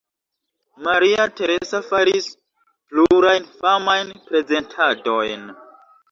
Maria Teresa faris plurajn famajn prezentadojn.